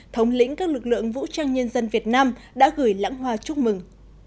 thống lĩnh các lực lượng vũ trang nhân dân việt nam đã gửi lãng hoa chúc mừng